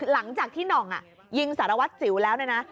หลังจากที่นองยิงสารวัตรจิ๋วแล้วนะ